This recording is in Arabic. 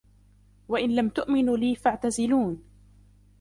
وإن لم تؤمنوا لي فاعتزلون